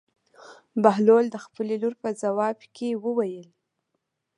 بهلول د خپلې لور په ځواب کې وویل.